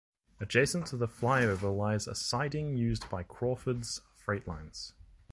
Adjacent to the flyover lies a siding used by Crawfords Freightlines.